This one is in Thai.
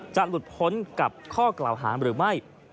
จะหลุดพ้นกับข้อกล่าวหาหรือไม่